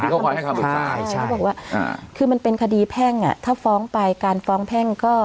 ใช่คือบอกว่าอ่าคือมันเป็นคดีแพ่งอ่ะถ้าฟ้องไปการฟ้องแพ่งก็